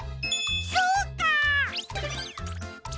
そうか！